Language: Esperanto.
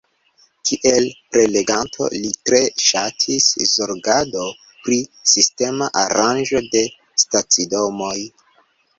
Kiel preleganto li tre ŝatis zorgado pri sistema aranĝo de stacidomoj.